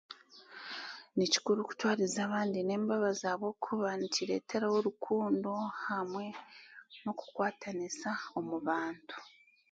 Nikikuru kutwariza abandi n'embabazi ahabwokuba nikireeteraho rukundo hamwe n'okukwatanisa omu bantu.